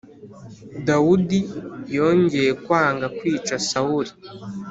dawudi yongeye kwanga kwica sawuli,